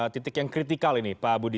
titik yang kritikal ini pak budi